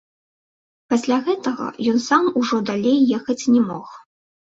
Пасля гэтага ён сам ужо далей ехаць не мог.